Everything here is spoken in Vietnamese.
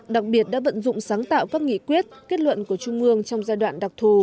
đặc biệt đã vận dụng sáng tạo các nghị quyết kết luận của trung ương trong giai đoạn đặc thù